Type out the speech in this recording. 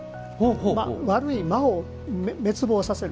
悪い魔を滅亡させる。